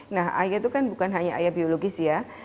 nah ayah itu kan bukan hanya ayah biologis ya